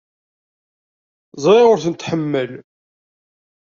Ẓriɣ ur ten-tḥemmel.